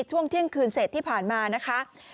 ช่วงเที่ยงคืนเสร็จที่ผ่านมานะคะ